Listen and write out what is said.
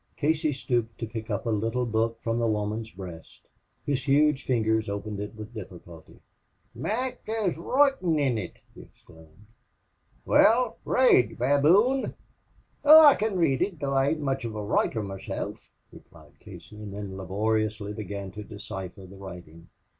Casey stooped to pick up a little book from the woman's breast. His huge fingers opened it with difficulty. "Mac, there's wroitin' in ut!" he exclaimed. "Wal, rade, ye baboon." "Oh, I kin rade ut, though I ain't much of a wroiter meself," replied Casey, and then laboriously began to decipher the writing.